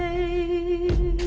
nah kayak gini